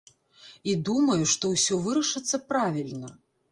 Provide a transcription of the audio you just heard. І думаю, што ўсё вырашыцца правільна.